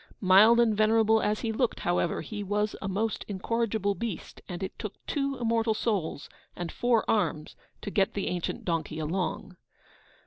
Mild and venerable as he looked, however, he was a most incorrigible beast, and it took two immortal souls, and four arms, to get the ancient donkey along.